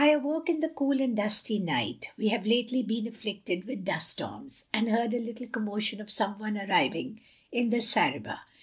awoke in the cool and dusty night, {we have lately been afflicted with dust storms) — and heard a little commotion of some one arriving in the zareba.